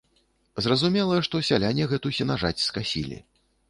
Зразумела, што сяляне гэту сенажаць скасілі.